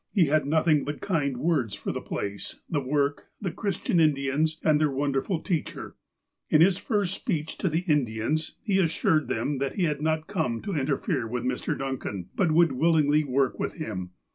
He had nothing but kind words for the place, the work, the Christian Indians, and their wonderful teacher. In his first speech to the Indians he assured them that he had not come to interfere with Mr. Duncan ; but would willingly work with him.